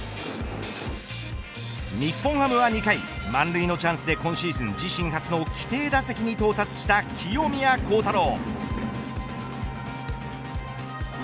日本ハムは２回、満塁のチャンスで、今シーズン自身初の規定打席に到達した清宮幸太郎。